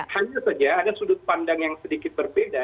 hanya saja ada sudut pandang yang sedikit berbeda